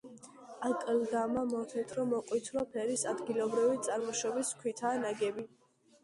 აკლდამა მოთეთრო-მოყვითალო ფერის ადგილობრივი წარმოშობის ქვითაა ნაგები.